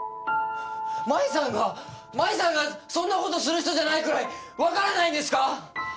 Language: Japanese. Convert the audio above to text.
真衣さんが真衣さんがそんな事する人じゃないくらいわからないんですか？